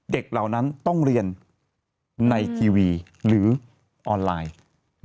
เหล่านั้นต้องเรียนในทีวีหรือออนไลน์